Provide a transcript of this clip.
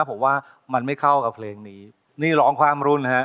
ผมว่ามันไม่เข้ากับเพลงนี้นี่ร้องข้ามรุ่นฮะ